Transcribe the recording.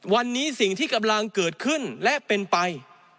วันนี้สิ่งที่กำลังเกิดขึ้นและเป็นไป